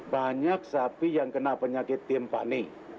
banyak sapi yang kena penyakit timpane